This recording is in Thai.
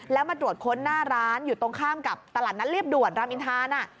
แล้วมาตรวจค้นหน้าร้านอยู่ตรงข้ามกับตลาดนัดเรียบด่วนรามอินทาน